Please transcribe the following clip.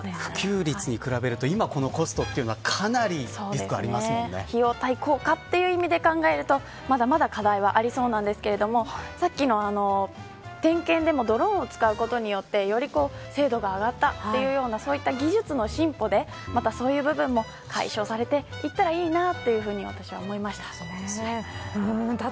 普及率に比べると今このコストというのはかなり費用対効果という意味で考えるとまだまだ課題はありそうですけどさっきの点検でもドローンを使うことによってより精度が上がったという技術の進歩でまた、そういう部分も解消されていったらいいなというふうに思いました。